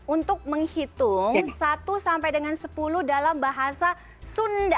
untuk menghitung satu sampai dengan sepuluh dalam bahasa sunda